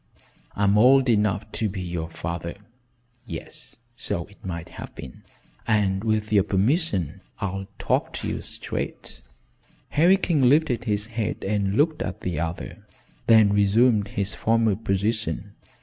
I'm old enough to be your father yes so it might have been and with your permission I'll talk to you straight." Harry King lifted his head and looked at the other, then resumed his former position.